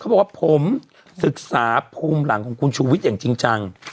บอกว่าผมศึกษาภูมิหลังของคุณชูวิทย์อย่างจริงจัง